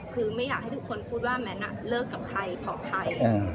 คือไม่อยากให้ทุกคนพูดว่าแมทเลิกกับใครของใคร